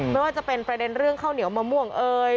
ไม่ว่าจะเป็นประเด็นเรื่องข้าวเหนียวมะม่วงเอ่ย